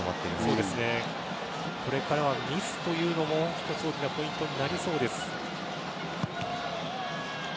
これからはミスというのも大きなポイントになりそうです。